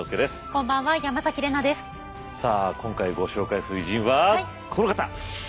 今回ご紹介する偉人はこの方。